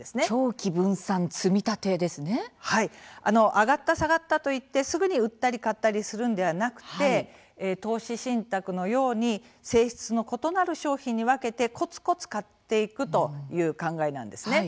上がった、下がったといってすぐに売ったり買ったりするんではなくて投資信託のように性質の異なる商品に分けてこつこつ買っていくという考えなんですね。